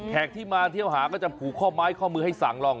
ที่มาเที่ยวหาก็จะผูกข้อไม้ข้อมือให้สั่งลอง